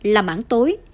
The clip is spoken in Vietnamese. là mảng tối